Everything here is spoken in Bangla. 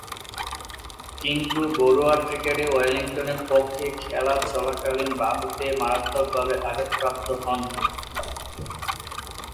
কিন্তু ঘরোয়া ক্রিকেটে ওয়েলিংটনের পক্ষে খেলা চলাকালীন বাহুতে মারাত্মকভাবে আঘাতপ্রাপ্ত হন।